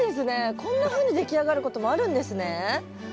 こんなふうにでき上がることもあるんですね。